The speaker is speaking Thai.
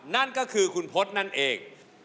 นั่นก็คือคุณพศนั่นเอง